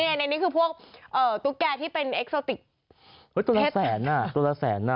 ในนี้คือพวกตุ๊กแกที่เป็นเอ็กโซติกตัวละแสนอ่ะตัวละแสนอ่ะ